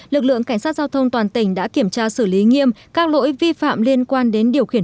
lực lượng cảnh sát giao thông toàn tỉnh đã kiểm tra xử lý nghiêm các lỗi vi phạm liên quan đến điều khiển